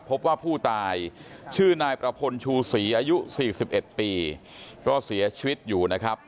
พบว่าผู้ตายชื่อนายประพลชูศรีอายุ๔๑ปีก็เสียชีวิตอยู่นะครับ